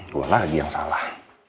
gua lagi yang salah